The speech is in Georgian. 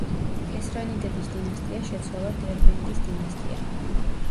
ქესრანიდების დინასტია შეცვალა დერბენდის დინასტიამ.